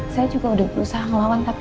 saya juga sudah berusaha melawan tapi